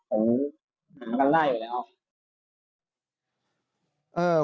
ผมหากันไล่อยู่แล้ว